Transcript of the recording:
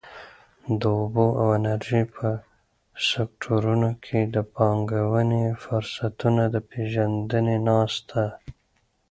د اوبو او انرژۍ په سکټورونو کې د پانګونې فرصتونو د پېژندنې ناسته.